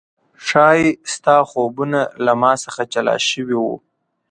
ښايي ستا خوبونه له ما څخه جلا شوي و